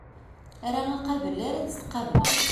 Ala aqabel ara tt-tqableḍ.